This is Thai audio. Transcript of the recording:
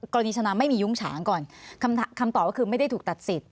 กรณีชนะไม่มียุ้งฉางก่อนคำตอบก็คือไม่ได้ถูกตัดสิทธิ